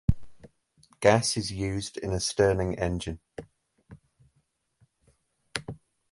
Gas is used in a Stirling engine.